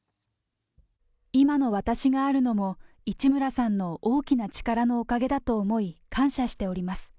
今の私があるのも、市村さんの大きな力のおかげだと思い、感謝しております。